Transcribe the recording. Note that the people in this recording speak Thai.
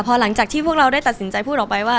พอหลังจากที่พวกเราได้ตัดสินใจพูดออกไปว่า